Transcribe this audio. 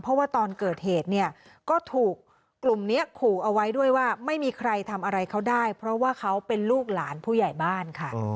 เพราะว่าตอนเกิดเหตุเนี่ยก็ถูกกลุ่มนี้ขู่เอาไว้ด้วยว่าไม่มีใครทำอะไรเขาได้เพราะว่าเขาเป็นลูกหลานผู้ใหญ่บ้านค่ะ